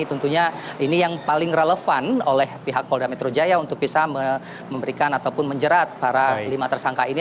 tentunya ini yang paling relevan oleh pihak polda metro jaya untuk bisa memberikan ataupun menjerat para lima tersangka ini